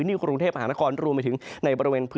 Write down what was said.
ในภาคฝั่งอันดามันนะครับ